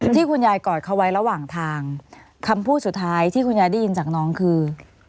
ที่คุณยายกอดเขาไว้ระหว่างทางคำพูดสุดท้ายที่คุณยายได้ยินจากน้องคือ